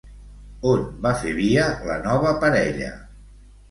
On va fer via la nova parella?